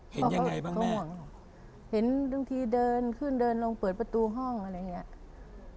ยังไงบ้างเห็นบางทีเดินขึ้นเดินลงเปิดประตูห้องอะไรอย่างเงี้ย